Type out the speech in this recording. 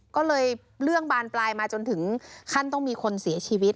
ก็เลยเรื่องบานปลายมาจนถึงขั้นต้องมีคนเสียชีวิต